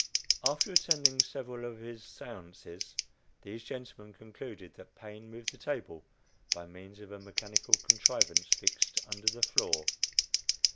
After attending several of his séances, these gentlemen concluded that Paine moved the table by means of a mechanical contrivance fixed under the floor.